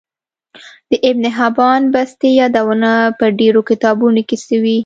د ابن حبان بستي يادونه په ډیرو کتابونو کی سوی